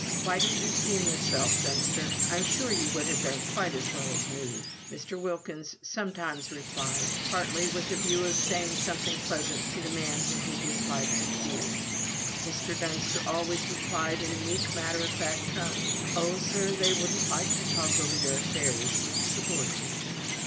"Why didn't you see him yourself, Dunster? I'm sure you would have done quite as well as me," Mr. Wilkins sometimes replied, partly with a view of saying something pleasant to the man whom he disliked and feared. Mr. Dunster always replied, in a meek matter of fact tone, "Oh, sir, they wouldn't like to talk over their affairs with a subordinate."